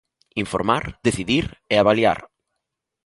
Informar, decidir e avaliar.